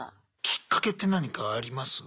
きっかけって何かあります？